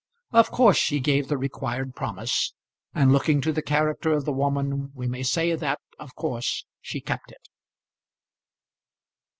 Of course she gave the required promise; and, looking to the character of the woman, we may say that, of course, she kept it.